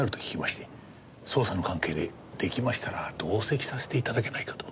捜査の関係で出来ましたら同席させて頂けないかと。